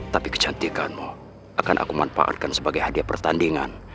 tapi kecantikanmu akan aku manfaatkan sebagai hadiah pertandingan